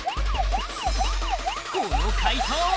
この快答は？